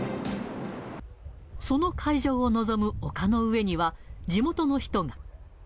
その会場を望む丘の上には、地元の人が。